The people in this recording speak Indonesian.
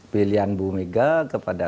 pilihan ibu megawati sukarno putri kepada